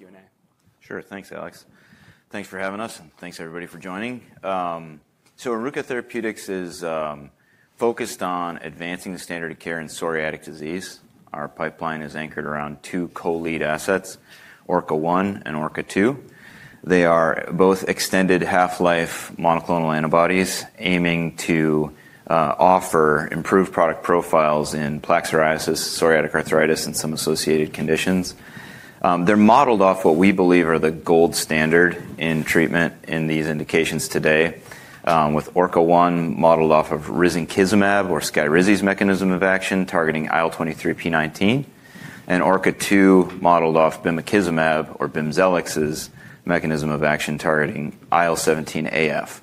Q&A. Sure. Thanks, Alex. Thanks for having us, and thanks everybody for joining. Oruka Therapeutics is focused on advancing the standard of care in psoriatic disease. Our pipeline is anchored around two co-lead assets, ORKA-001 and ORKA-002. They are both extended half-life monoclonal antibodies, aiming to offer improved product profiles in plaque psoriasis, psoriatic arthritis, and some associated conditions. They are modeled off what we believe are the gold standard in treatment in these indications today, with ORKA-001 modeled off of risankizumab, or Skyrizi's mechanism of action, targeting IL-23p19, and ORKA-002 modeled off bimekizumab, or Bimzelx's mechanism of action, targeting IL-17A/F.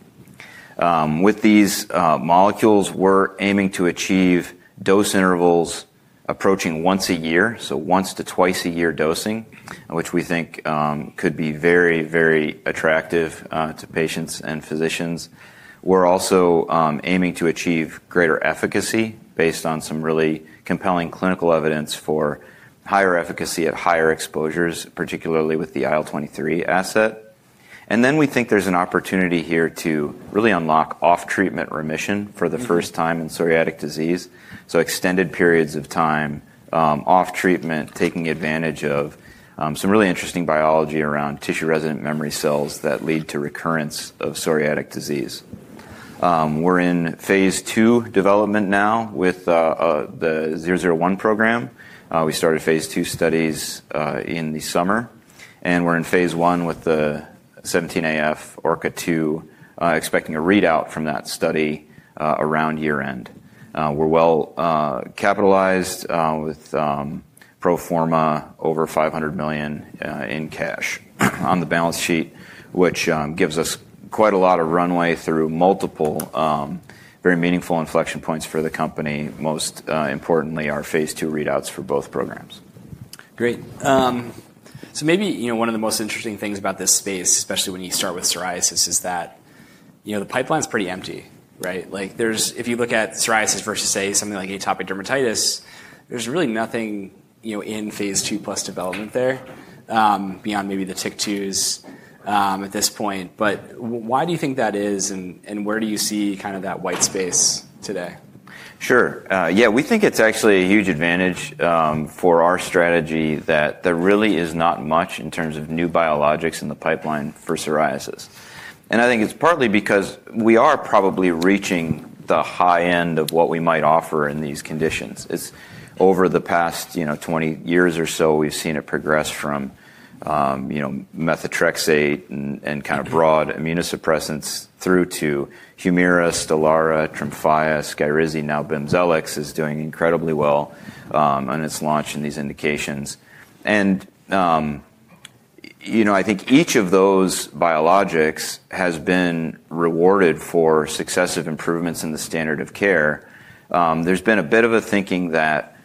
With these molecules, we are aiming to achieve dose intervals approaching once a year, so once to twice a year dosing, which we think could be very, very attractive to patients and physicians. We're also aiming to achieve greater efficacy based on some really compelling clinical evidence for higher efficacy at higher exposures, particularly with the IL-23 asset. We think there's an opportunity here to really unlock off-treatment remission for the first time in psoriatic disease, so extended periods of time off treatment, taking advantage of some really interesting biology around tissue-resident memory cells that lead to recurrence of psoriatic disease. We're in phase II development now with the 001 program. We started phase II studies in the summer, and we're in phase I with the IL-17A/F ORKA-002, expecting a readout from that study around year-end. We're well capitalized with pro forma over $500 million in cash on the balance sheet, which gives us quite a lot of runway through multiple very meaningful inflection points for the company. Most importantly, our phase II readouts for both programs. Great. Maybe one of the most interesting things about this space, especially when you start with psoriasis, is that the pipeline's pretty empty, right? If you look at psoriasis versus, say, something like atopic dermatitis, there's really nothing in phase II plus development there beyond maybe the tic tus at this point. Why do you think that is, and where do you see kind of that white space today? Sure. Yeah, we think it's actually a huge advantage for our strategy that there really is not much in terms of new biologics in the pipeline for psoriasis. I think it's partly because we are probably reaching the high end of what we might offer in these conditions. Over the past 20 years or so, we've seen it progress from methotrexate and kind of broad immunosuppressants through to Humira, Stelara, Tremfya, Skyrizi. Now Bimzelx is doing incredibly well on its launch in these indications. I think each of those biologics has been rewarded for successive improvements in the standard of care. There's been a bit of a thinking that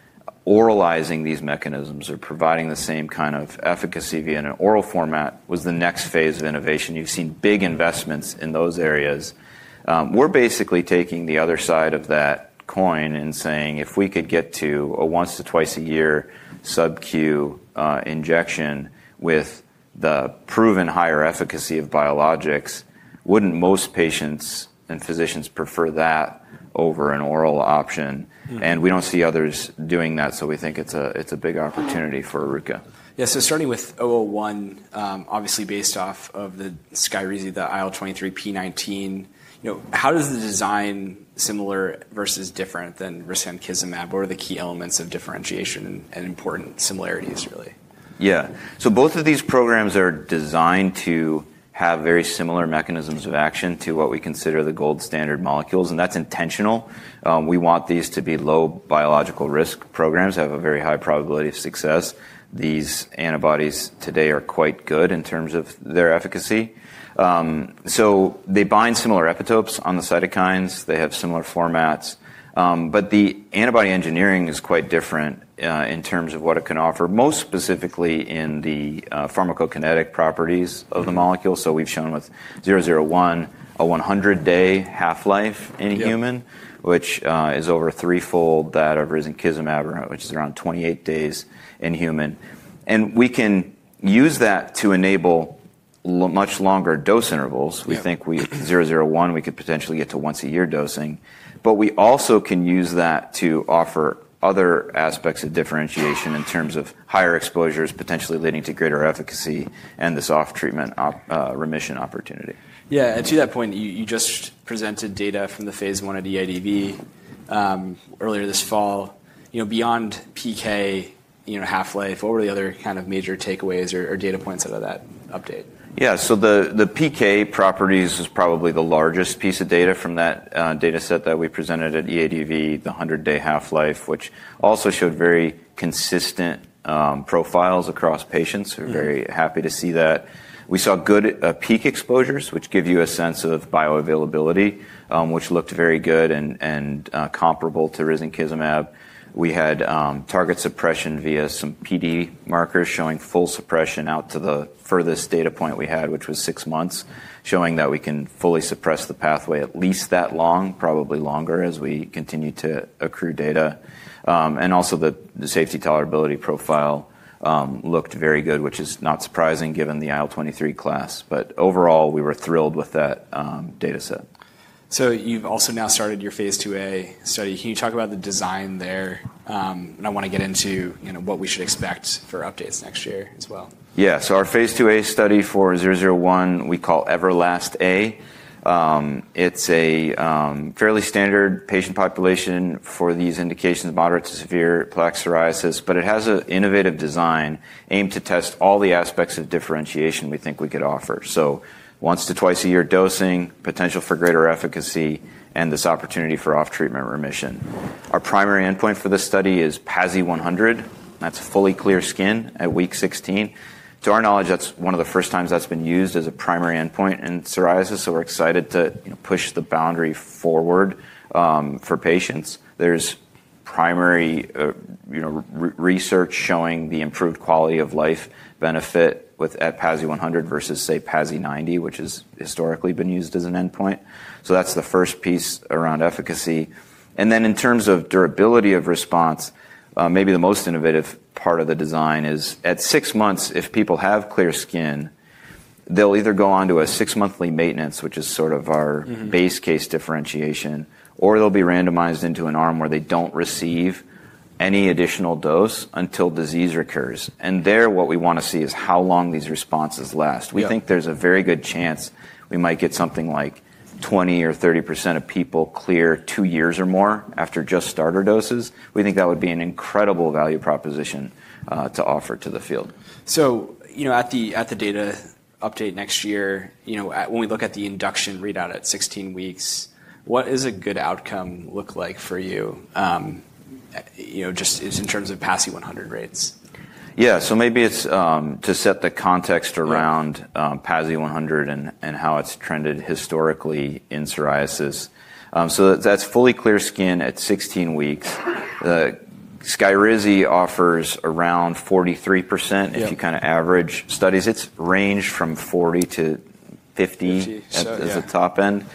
oralizing these mechanisms or providing the same kind of efficacy via an oral format was the next phase of innovation. You've seen big investments in those areas. We're basically taking the other side of that coin and saying, if we could get to a once to twice a year sub-queue injection with the proven higher efficacy of biologics, wouldn't most patients and physicians prefer that over an oral option? We don't see others doing that, so we think it's a big opportunity for Oruka. Yeah, so starting with 001, obviously based off of the Skyrizi, the IL-23p19, how does the design similar versus different than risankizumab? What are the key elements of differentiation and important similarities, really? Yeah. Both of these programs are designed to have very similar mechanisms of action to what we consider the gold standard molecules, and that's intentional. We want these to be low biological risk programs, have a very high probability of success. These antibodies today are quite good in terms of their efficacy. They bind similar epitopes on the cytokines. They have similar formats. The antibody engineering is quite different in terms of what it can offer, most specifically in the pharmacokinetic properties of the molecule. We've shown with 001 a 100-day half-life in a human, which is over threefold that of risankizumab, which is around 28 days in human. We can use that to enable much longer dose intervals. We think with 001, we could potentially get to once-a-year dosing. We also can use that to offer other aspects of differentiation in terms of higher exposures, potentially leading to greater efficacy and this off-treatment remission opportunity. Yeah. To that point, you just presented data from the phase I of the EADV earlier this fall. Beyond PK half-life, what were the other kind of major takeaways or data points out of that update? Yeah. The PK properties is probably the largest piece of data from that data set that we presented at EADV, the 100-day half-life, which also showed very consistent profiles across patients. We're very happy to see that. We saw good peak exposures, which give you a sense of bioavailability, which looked very good and comparable to risankizumab. We had target suppression via some PD markers showing full suppression out to the furthest data point we had, which was six months, showing that we can fully suppress the pathway at least that long, probably longer as we continue to accrue data. Also the safety tolerability profile looked very good, which is not surprising given the IL-23 class. Overall, we were thrilled with that data set. You've also now started your phase II-A study. Can you talk about the design there? I want to get into what we should expect for updates next year as well. Yeah. Our phase II-A study for 001 we call Everlast A. It's a fairly standard patient population for these indications, moderate to severe plaque psoriasis. It has an innovative design aimed to test all the aspects of differentiation we think we could offer. Once to twice a year dosing, potential for greater efficacy, and this opportunity for off-treatment remission. Our primary endpoint for this study is PASI 100. That's fully clear skin at week 16. To our knowledge, that's one of the first times that's been used as a primary endpoint in psoriasis, so we're excited to push the boundary forward for patients. There's primary research showing the improved quality of life benefit at PASI 100 versus, say, PASI 90, which has historically been used as an endpoint. That's the first piece around efficacy. In terms of durability of response, maybe the most innovative part of the design is at six months, if people have clear skin, they'll either go on to a six-monthly maintenance, which is sort of our base case differentiation, or they'll be randomized into an arm where they do not receive any additional dose until disease recurs. There, what we want to see is how long these responses last. We think there is a very good chance we might get something like 20% or 30% of people clear two years or more after just starter doses. We think that would be an incredible value proposition to offer to the field. At the data update next year, when we look at the induction readout at 16 weeks, what does a good outcome look like for you just in terms of PASI 100 rates? Yeah. Maybe it's to set the context around PASI 100 and how it's trended historically in psoriasis. That's fully clear skin at 16 weeks. Skyrizi offers around 43% if you kind of average studies. It's ranged from 40%-50% as a top end.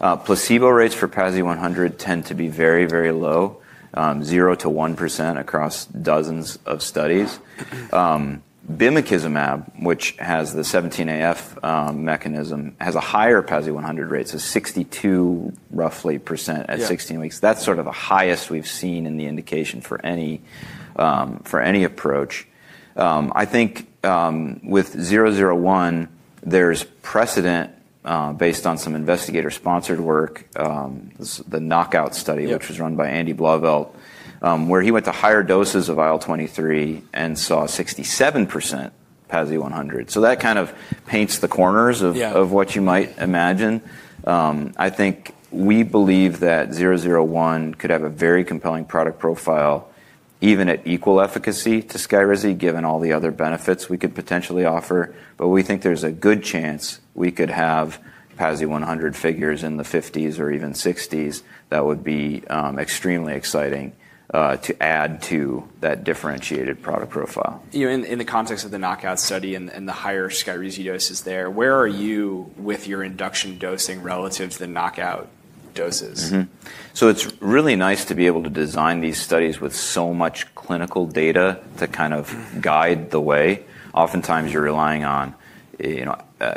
Placebo rates for PASI 100 tend to be very, very low, 0%-1% across dozens of studies. Bimekizumab, which has the IL-17A/F mechanism, has a higher PASI 100 rate, so 62% roughly at 16 weeks. That's sort of the highest we've seen in the indication for any approach. I think with 001, there's precedent based on some investigator-sponsored work, the knockout study, which was run by Andy Blauvelt, where he went to higher doses of IL-23 and saw 67% PASI 100. That kind of paints the corners of what you might imagine. I think we believe that 001 could have a very compelling product profile, even at equal efficacy to Skyrizi, given all the other benefits we could potentially offer. We think there's a good chance we could have PASI 100 figures in the 50s or even 60s. That would be extremely exciting to add to that differentiated product profile. In the context of the knockout study and the higher Skyrizi doses there, where are you with your induction dosing relative to the knockout doses? It's really nice to be able to design these studies with so much clinical data to kind of guide the way. Oftentimes, you're relying on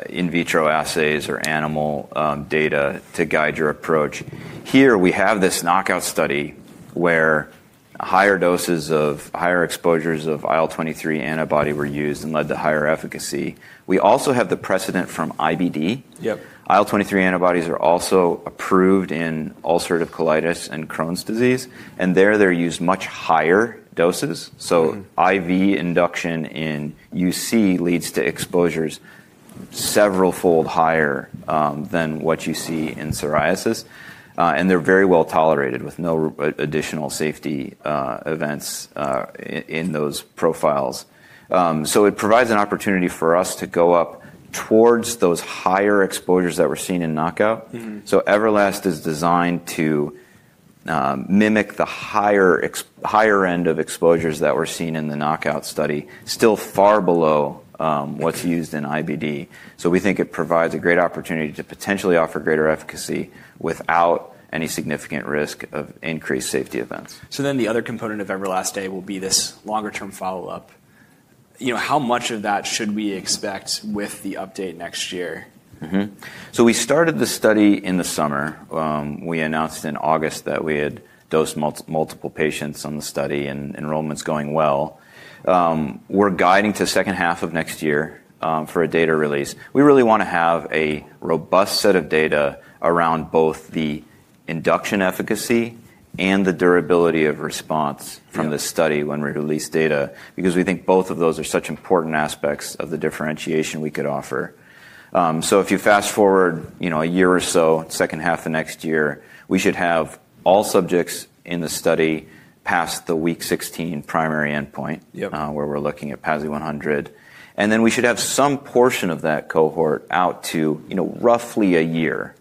in vitro assays or animal data to guide your approach. Here, we have this knockout study where higher doses or higher exposures of IL-23 antibody were used and led to higher efficacy. We also have the precedent from IBD. IL-23 antibodies are also approved in ulcerative colitis and Crohn's disease. There, they're used at much higher doses. IV induction in UC leads to exposures several-fold higher than what you see in psoriasis. They're very well tolerated with no additional safety events in those profiles. It provides an opportunity for us to go up towards those higher exposures that we're seeing in knockout. Everlast is designed to mimic the higher end of exposures that we're seeing in the knockout study, still far below what's used in IBD. We think it provides a great opportunity to potentially offer greater efficacy without any significant risk of increased safety events. Then the other component of Everlast A will be this longer-term follow-up. How much of that should we expect with the update next year? We started the study in the summer. We announced in August that we had dosed multiple patients on the study and enrollment's going well. We're guiding to the second half of next year for a data release. We really want to have a robust set of data around both the induction efficacy and the durability of response from this study when we release data, because we think both of those are such important aspects of the differentiation we could offer. If you fast forward a year or so, second half of next year, we should have all subjects in the study past the week 16 primary endpoint where we're looking at PASI 100. We should have some portion of that cohort out to roughly a year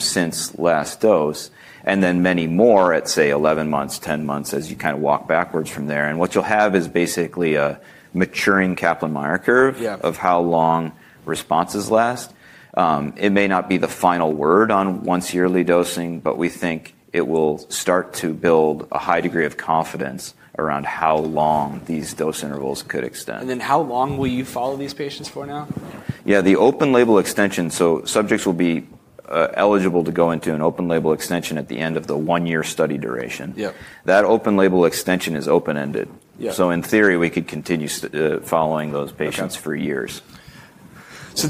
since last dose, and then many more at, say, 11 months, 10 months as you kind of walk backwards from there. What you'll have is basically a maturing Kaplan-Meier curve of how long responses last. It may not be the final word on once-yearly dosing, but we think it will start to build a high degree of confidence around how long these dose intervals could extend. How long will you follow these patients for now? Yeah. The open-label extension, so subjects will be eligible to go into an open-label extension at the end of the one-year study duration. That open-label extension is open-ended. In theory, we could continue following those patients for years.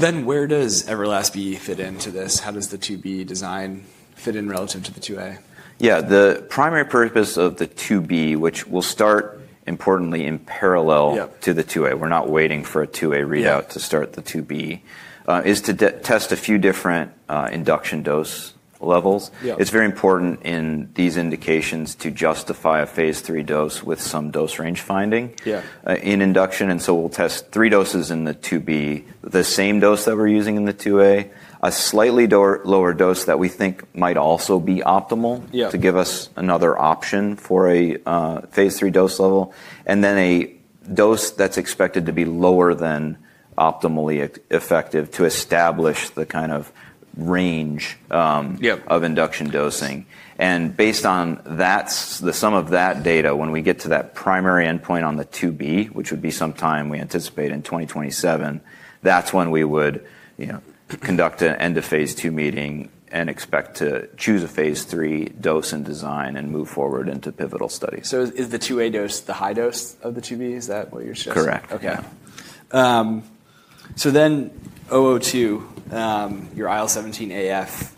Where does Everlast B fit into this? How does the II-B design fit in relative to the II-A? Yeah. The primary purpose of the II-B, which will start importantly in parallel to the II-A, we're not waiting for a II-A readout to start the II-B, is to test a few different induction dose levels. It's very important in these indications to justify a phase III dose with some dose range finding in induction. We will test three doses in the II-B, the same dose that we're using in the II-A, a slightly lower dose that we think might also be optimal to give us another option for a phase III dose level, and then a dose that's expected to be lower than optimally effective to establish the kind of range of induction dosing. Based on the sum of that data, when we get to that primary endpoint on the II-B, which would be sometime we anticipate in 2027, that's when we would conduct an end-of-phase II meeting and expect to choose a phase III dose and design and move forward into pivotal studies. Is the II-A dose the high dose of the II-B? Is that what you're showing? Correct. Okay. So then 002, your IL-17A/F,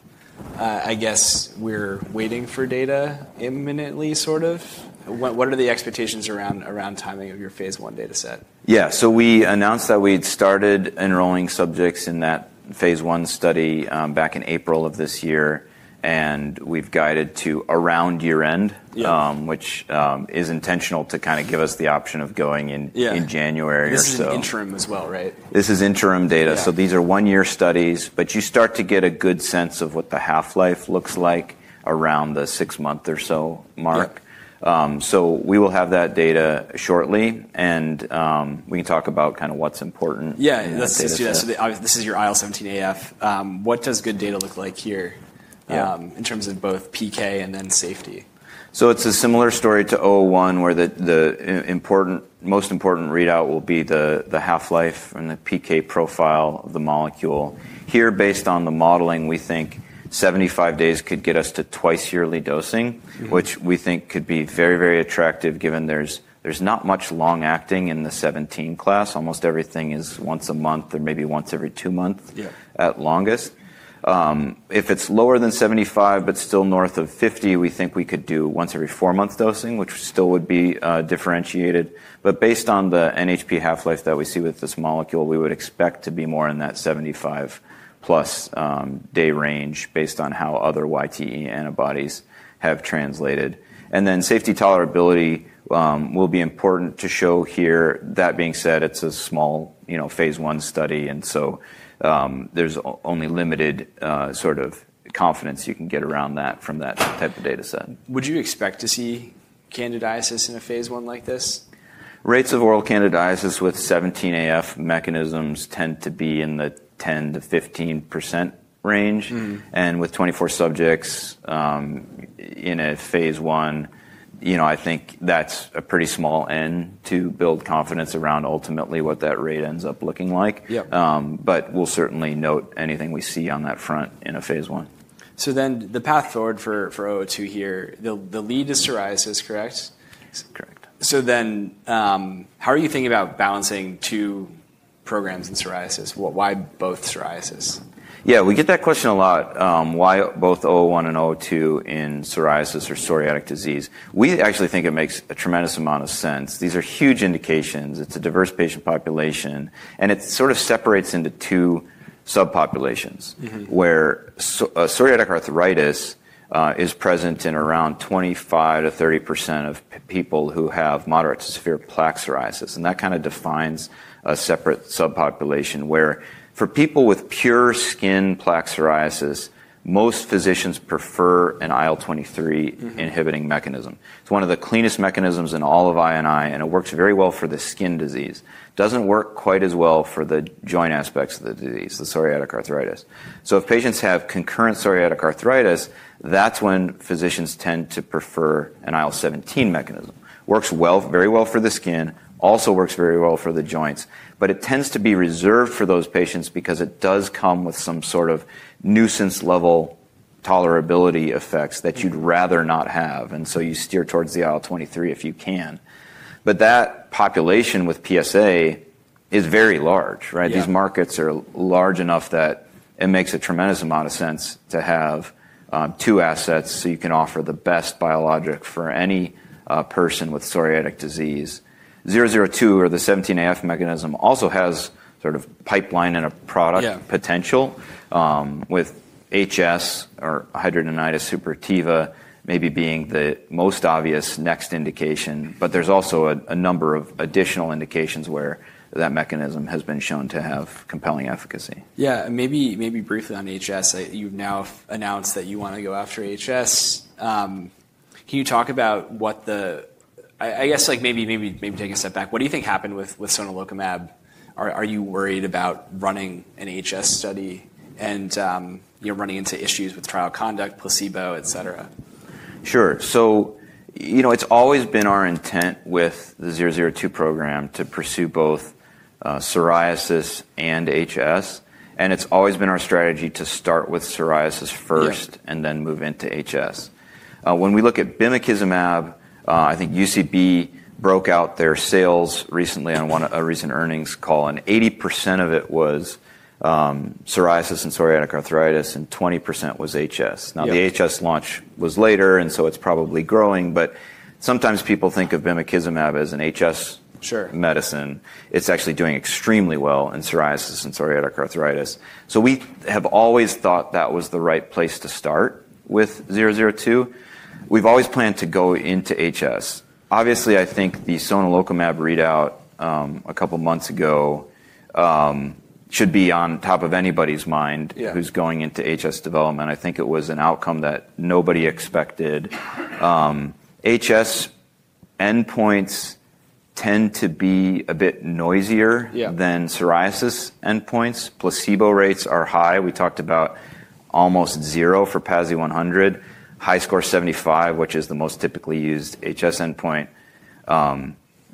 I guess we're waiting for data imminently, sort of? What are the expectations around timing of your phase I data set? Yeah. We announced that we'd started enrolling subjects in that phase I study back in April of this year. We've guided to around year-end, which is intentional to kind of give us the option of going in January or so. This is interim as well, right? This is interim data. These are one-year studies. You start to get a good sense of what the half-life looks like around the six-month or so mark. We will have that data shortly. We can talk about kind of what's important. Yeah. This is your IL-17A/F. What does good data look like here in terms of both PK and then safety? It's a similar story to 001, where the most important readout will be the half-life and the PK profile of the molecule. Here, based on the modeling, we think 75 days could get us to twice-yearly dosing, which we think could be very, very attractive given there's not much long-acting in the 17 class. Almost everything is once a month or maybe once every two months at longest. If it's lower than 75 but still north of 50, we think we could do once-every-four-month dosing, which still would be differentiated. Based on the NHP half-life that we see with this molecule, we would expect to be more in that 75-plus day range based on how other YTE antibodies have translated. Safety tolerability will be important to show here. That being said, it's a small phase I study. There is only limited sort of confidence you can get around that from that type of data set. Would you expect to see candidiasis in a phase I like this? Rates of oral candidiasis with IL-17A/F mechanisms tend to be in the 10%-15% range. With 24 subjects in a phase I, I think that's a pretty small n to build confidence around ultimately what that rate ends up looking like. We'll certainly note anything we see on that front in a phase I. Then the path forward for 002 here, the lead is psoriasis, correct? Correct. How are you thinking about balancing two programs in psoriasis? Why both psoriasis? Yeah. We get that question a lot. Why both 001 and 002 in psoriasis or psoriatic disease? We actually think it makes a tremendous amount of sense. These are huge indications. It's a diverse patient population. It sort of separates into two subpopulations, where psoriatic arthritis is present in around 25%-30% of people who have moderate to severe plaque psoriasis. That kind of defines a separate subpopulation, where for people with pure skin plaque psoriasis, most physicians prefer an IL-23 inhibiting mechanism. It's one of the cleanest mechanisms in all of INI, and it works very well for the skin disease. It does not work quite as well for the joint aspects of the disease, the psoriatic arthritis. If patients have concurrent psoriatic arthritis, that's when physicians tend to prefer an IL-17 mechanism. It works very well for the skin, also works very well for the joints. It tends to be reserved for those patients because it does come with some sort of nuisance-level tolerability effects that you'd rather not have. You steer towards the IL-23 if you can. That population with PsA is very large, right? These markets are large enough that it makes a tremendous amount of sense to have two assets so you can offer the best biologic for any person with psoriatic disease. 002, or the IL-17A/F mechanism, also has sort of pipeline and a product potential, with HS or hidradenitis suppurativa maybe being the most obvious next indication. There is also a number of additional indications where that mechanism has been shown to have compelling efficacy. Yeah. Maybe briefly on HS. You've now announced that you want to go after HS. Can you talk about what the... I guess maybe take a step back. What do you think happened with sonelokimab? Are you worried about running an HS study and running into issues with trial conduct, placebo, et cetera? Sure. It has always been our intent with the 002 program to pursue both psoriasis and HS. It has always been our strategy to start with psoriasis first and then move into HS. When we look at bimekizumab, I think UCB broke out their sales recently on a recent earnings call. 80% of it was psoriasis and psoriatic arthritis, and 20% was HS. The HS launch was later, and it is probably growing. Sometimes people think of bimekizumab as an HS medicine. It is actually doing extremely well in psoriasis and psoriatic arthritis. We have always thought that was the right place to start with 002. We have always planned to go into HS. Obviously, I think the sonelokimab readout a couple of months ago should be on top of anybody's mind who is going into HS development. I think it was an outcome that nobody expected. HS endpoints tend to be a bit noisier than psoriasis endpoints. Placebo rates are high. We talked about almost zero for PASI 100. HiSCR 75, which is the most typically used HS endpoint,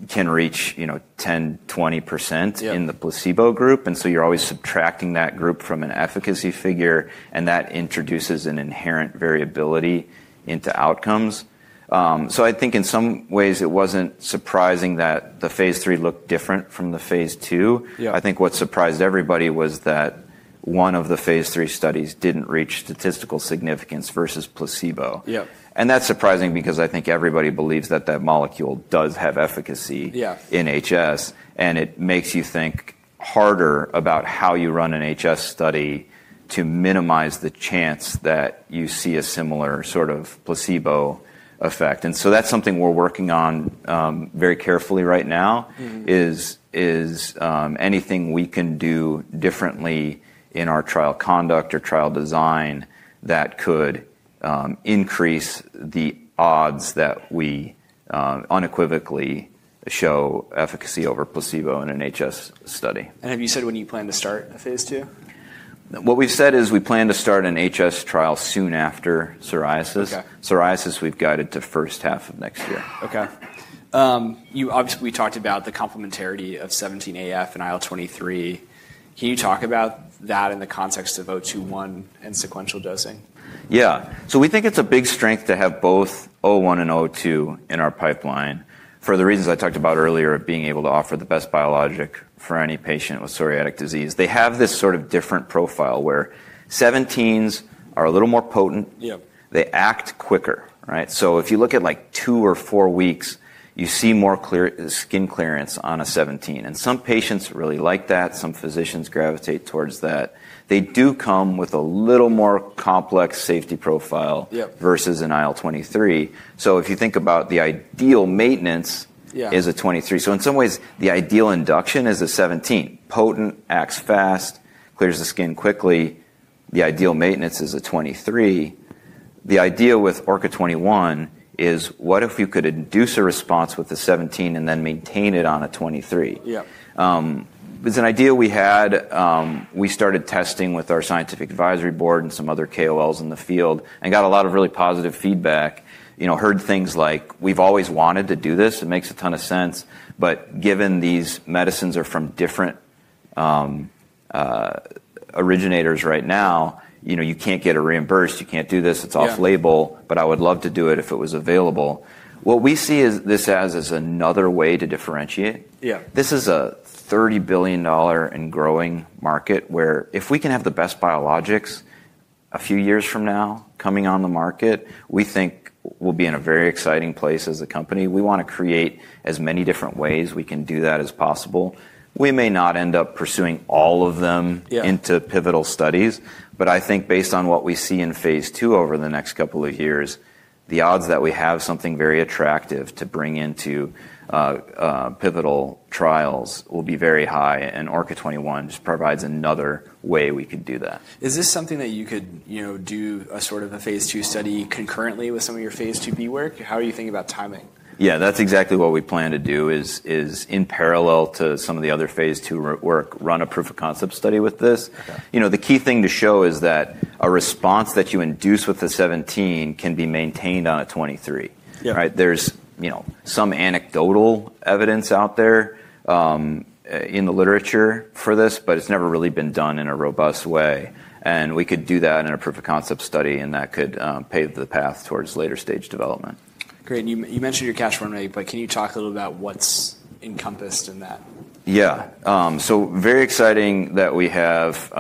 can reach 10%-20% in the placebo group. You are always subtracting that group from an efficacy figure. That introduces an inherent variability into outcomes. I think in some ways, it was not surprising that the phase III looked different from the phase II. I think what surprised everybody was that one of the phase III studies did not reach statistical significance versus placebo. That is surprising because I think everybody believes that that molecule does have efficacy in HS. It makes you think harder about how you run an HS study to minimize the chance that you see a similar sort of placebo effect. That is something we are working on very carefully right now, is anything we can do differently in our trial conduct or trial design that could increase the odds that we unequivocally show efficacy over placebo in an HS study. Have you said when you plan to start a phase II? What we've said is we plan to start an HS trial soon after psoriasis. Psoriasis, we've guided to first half of next year. Okay. We talked about the complementarity of IL-17A/F and IL-23. Can you talk about that in the context of 021 and sequential dosing? Yeah. We think it's a big strength to have both 01 and 02 in our pipeline for the reasons I talked about earlier of being able to offer the best biologic for any patient with psoriatic disease. They have this sort of different profile where IL-17s are a little more potent. They act quicker, right? If you look at like two or four weeks, you see more skin clearance on an IL-17. Some patients really like that. Some physicians gravitate towards that. They do come with a little more complex safety profile versus an IL-23. If you think about the ideal maintenance, it is an IL-23. In some ways, the ideal induction is an IL-17. Potent, acts fast, clears the skin quickly. The ideal maintenance is an IL-23. The idea with ORKA-021 is, what if we could induce a response with an IL-17 and then maintain it on an IL-23? It's an idea we had. We started testing with our scientific advisory board and some other KOLs in the field and got a lot of really positive feedback. Heard things like, "We've always wanted to do this. It makes a ton of sense. But given these medicines are from different originators right now, you can't get it reimbursed. You can't do this. It's off-label. But I would love to do it if it was available." What we see this as is another way to differentiate. This is a $30 billion and growing market where if we can have the best biologics a few years from now coming on the market, we think we'll be in a very exciting place as a company. We want to create as many different ways we can do that as possible. We may not end up pursuing all of them into pivotal studies. I think based on what we see in phase II over the next couple of years, the odds that we have something very attractive to bring into pivotal trials will be very high. ORKA-021 just provides another way we could do that. Is this something that you could do a sort of a phase II study concurrently with some of your phase II-B work? How are you thinking about timing? Yeah. That's exactly what we plan to do, is in parallel to some of the other phase II work, run a proof of concept study with this. The key thing to show is that a response that you induce with the IL-17 can be maintained on an IL-23, right? There's some anecdotal evidence out there in the literature for this, but it's never really been done in a robust way. We could do that in a proof of concept study. That could pave the path towards later stage development. Great. You mentioned your cash runway. Can you talk a little about what's encompassed in that? Yeah. So very exciting that we have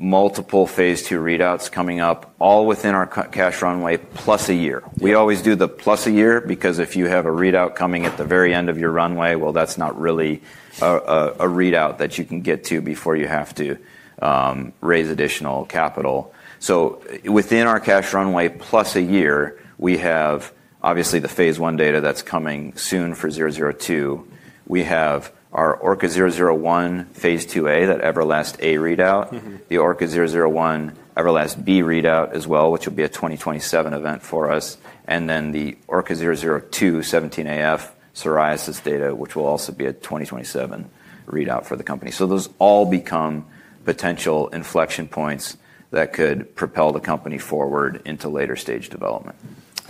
multiple phase II readouts coming up, all within our cash runway plus a year. We always do the plus a year because if you have a readout coming at the very end of your runway, well, that's not really a readout that you can get to before you have to raise additional capital. Within our cash runway plus a year, we have obviously the phase I data that's coming soon for 002. We have our ORKA-001 phase II-A, that Everlast A readout, the ORKA-001 Everlast B readout as well, which will be a 2027 event for us. And then the ORKA-002 IL-17A/F psoriasis data, which will also be a 2027 readout for the company. Those all become potential inflection points that could propel the company forward into later stage development.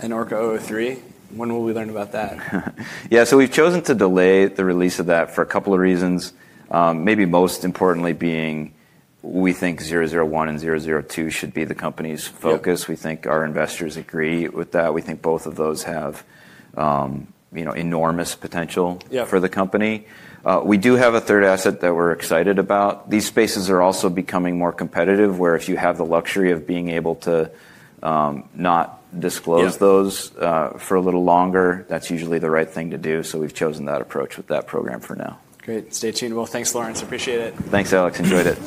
ORKA-003, when will we learn about that? Yeah. We have chosen to delay the release of that for a couple of reasons. Maybe most importantly being, we think 001 and 002 should be the company's focus. We think our investors agree with that. We think both of those have enormous potential for the company. We do have a third asset that we are excited about. These spaces are also becoming more competitive, where if you have the luxury of being able to not disclose those for a little longer, that is usually the right thing to do. We have chosen that approach with that program for now. Great. Stay tuned. Thanks, Lawrence. Appreciate it. Thanks, Alex. Enjoy that.